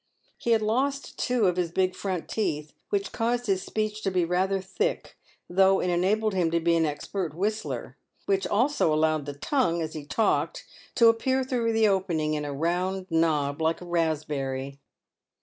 He had lost two of .his big front teeth, which caused his speech to be rather thick, though it enabled him to be an expert whistler, and which also allowed the tongue, as he talked, to appear through the opening, in a round nob like a raspberry.